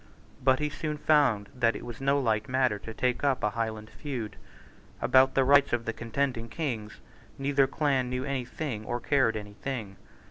But he soon found that it was no light matter to take up a Highland feud. About the rights of the contending Kings neither clan knew any thing or cared any thing.